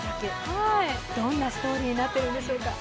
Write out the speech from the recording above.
どんなストーリーになっているんでしょうか？